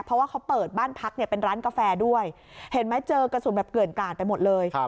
เพราะว่าเขาเปิดบ้านพักเนี่ยเป็นร้านกาแฟด้วยเห็นไหมเจอกระสุนแบบเกลื่อนกาดไปหมดเลย